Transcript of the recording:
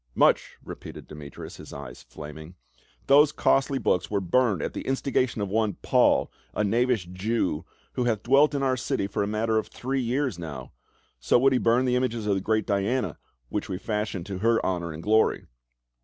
" Much !" repeated Demetrius, his eyes flaming, " those costly books were burned at the instigation of one Paul, a knavish Jew, who hatli dwelt in our city for a matter of three years now. So would he burn the images of the great Diana, which we fashion to her honor and glory."